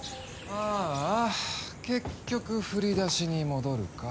ああ結局振り出しに戻るか。